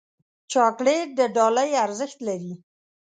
چاکلېټ د ډالۍ ارزښت لري.